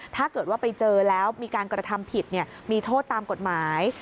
ถ้าเกิดว่าไปเจอแล้วมีการกระทำผิดมีโทษตามกฎหมาย